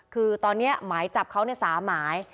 คือตอนนี้หมายจับเขา๓หมาย